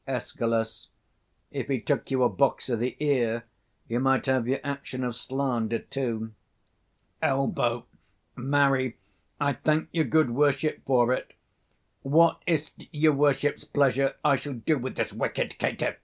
170 Escal. If he took you a box o' th' ear, you might have your action of slander too. Elb. Marry, I thank your good worship for it. What is't your worship's pleasure I shall do with this wicked caitiff?